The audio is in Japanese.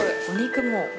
お肉も。